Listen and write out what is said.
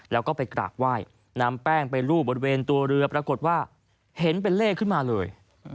แล้วก็ไปกราบไหว้นำแป้งไปรูปบริเวณตัวเรือปรากฏว่าเห็นเป็นเลขขึ้นมาเลย